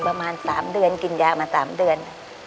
ประมาณ๓เดือนกินยามา๓เดือน